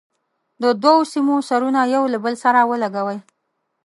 د دوو سیمونو سرونه یو له بل سره ولګوئ.